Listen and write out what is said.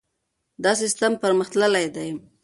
دا سیستم پرمختللی دی.